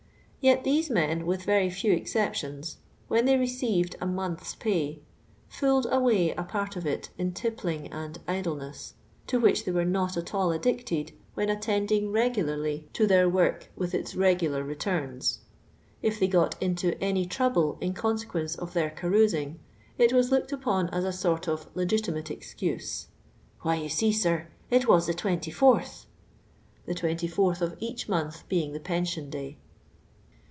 Yet these men, with very few exceptions, when they received a month's p ly, fi)oled away a part of it iir tippling and idleness, to which ihey were not at all addicted when attending reifularly to their work with its re^'uhir returns. If they got into any trouble in consequence of their carousing, it was looked upon as a sort of legitimate excuse, Why you see, sir, it was the 24th*' (the 24 th of each month being the pension day).